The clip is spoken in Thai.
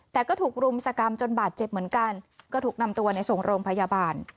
แต่ก็ถูกรุมสกรรมจนบาดเจ็บเหมือนกันก็ถูกนำตัวในส่งโรงพยาบาล